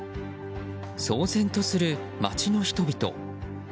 騒然とする街の人々。